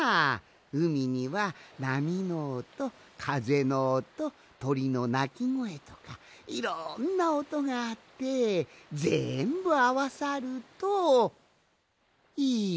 うみにはなみのおとかぜのおととりのなきごえとかいろんなおとがあってぜんぶあわさるといいかんじ！